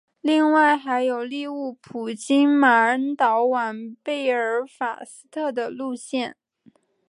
另外还有利物浦经马恩岛往贝尔法斯特的路线。